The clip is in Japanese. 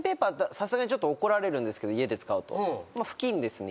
さすがにちょっと怒られるんですけど家で使うと布巾ですね